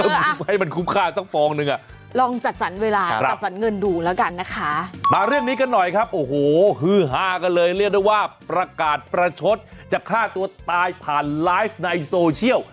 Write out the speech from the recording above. มันเป็นคนหรือภูมิตัวอะไรคะเนี่ย